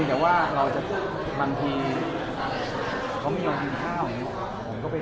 แต่ว่าเราจะบางที